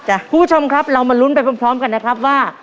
คุณผู้ชมครับเรามาลุ้นไปพร้อมกันนะครับว่า